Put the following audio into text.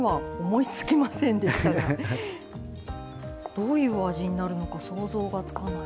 どういう味になるのか想像がつかない。